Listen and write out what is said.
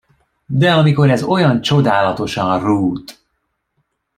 De amikor ez olyan csodálatosan rút!